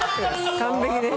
完璧です。